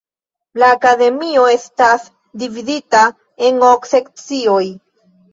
La Akademio estas dividita en ok sekcioj.